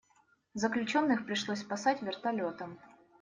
Заключенных пришлось спасать вертолётом.